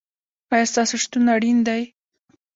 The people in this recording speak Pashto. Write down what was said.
ایا ستاسو شتون اړین دی؟